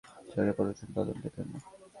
সরকারি পরিদর্শন, তদন্তের জন্য।